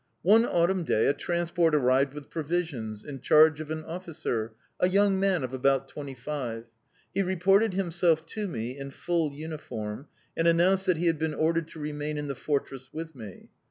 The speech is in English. One autumn day, a transport arrived with provisions, in charge of an officer, a young man of about twenty five. He reported himself to me in full uniform, and announced that he had been ordered to remain in the fortress with me.